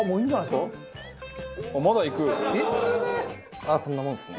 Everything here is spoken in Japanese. ああこんなもんですね。